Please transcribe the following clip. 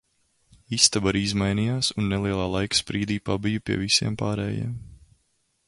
Istaba arī izmainījās un nelielā laika sprīdī pabiju pie visiem pārējiem.